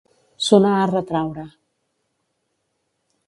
Sonar a retraure.